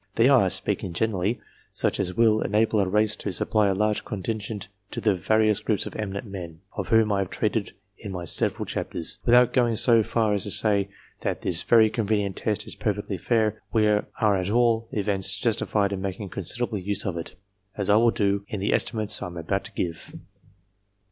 They are, speaking generally, such as will enable a race to supply a large contingent to the various groups of eminent men, of whom I have treated in my several chapters. Without going so far as to say that this very convenient test is perfectly fair, we are at all events justified in making considerable use of it, as I will do, in the estimates I am about to give.